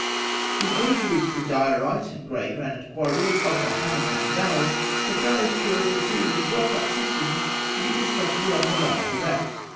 ] In order to reach the diorite and grey granite quarries of the Hammamat Valley, the Pharaohs caused a series of rock cut cisterns to be constructed along the line of route.